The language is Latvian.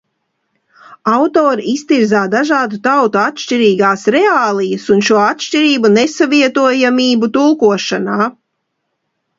Autore iztirzā dažādu tautu atšķirīgās reālijas un šo atšķirību nesavietojamību tulkošanā.